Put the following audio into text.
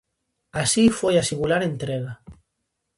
Así foi a singular entrega: